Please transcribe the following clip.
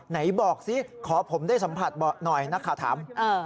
ไหนบอกสิขอผมได้สัมผัสบอกหน่อยนักข่าวถาม